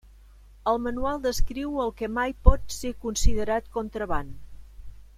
El manual descriu el que mai pot ser considerat contraban.